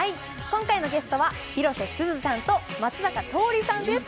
今回のゲストは広瀬すずさんと松坂桃李さんです。